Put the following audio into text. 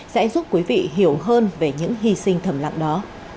sẽ giúp quý vị hiểu hơn về những hy sinh thầm lặng đó